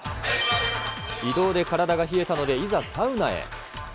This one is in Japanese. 移動で体が冷えたので、いざサウナへ。